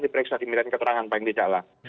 diperiksa di milik keterangan paling tidak lah